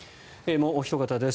もうおひと方です。